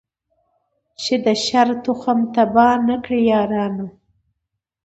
چي د شر تخم تباه نه کړی یارانو